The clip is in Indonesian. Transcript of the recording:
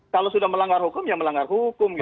kalau sudah melanggar hukum ya melanggar hukum gitu